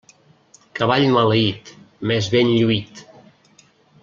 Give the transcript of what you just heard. Cavall maleït, més ben lluït.